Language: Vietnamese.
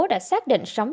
đã xác định sống